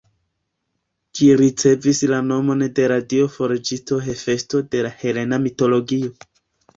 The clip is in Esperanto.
Ĝi ricevis la nomon de la dio forĝisto Hefesto, de la helena mitologio.